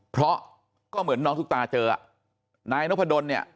เพราะก็เหมือนน้องทุกตาเจอนายนกพะดนเนี่ย